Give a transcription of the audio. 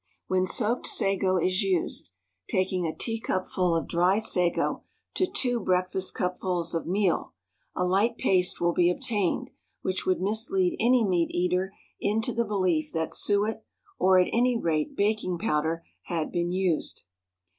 When soaked sago is used (taking a teacupful of dry sago to two breakfastcupfuls of meal) a light paste will be obtained which would mislead any meat eater into the belief that suet or, at any rate, baking powder had been used.